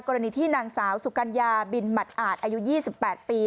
กรณีที่นางสาวสุกัญญาบินหมัดอาจอายุ๒๘ปี